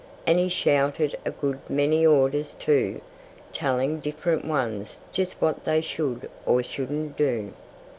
And he shouted a good many orders, too, telling different ones just what they should or shouldn't do.